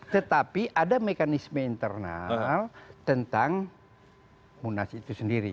tetapi ada mekanisme internal tentang munas itu sendiri